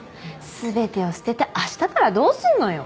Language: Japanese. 全てを捨てて明日からどうすんのよ。